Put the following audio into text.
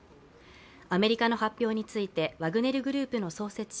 アメリカの発表についてワグネル・グループの創設者